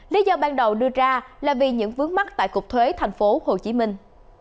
lý do ban đầu đưa ra là vì những vướng mắt tại cục thuế thành phố hồ chí minh